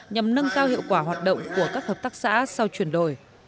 nhằm nâng cao hiệu quả hoạt động của các hợp tác xã sau chuyển đổi